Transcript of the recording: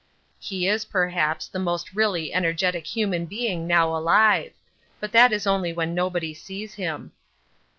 He is, perhaps, the most really energetic human being now alive—but that is only when nobody sees him.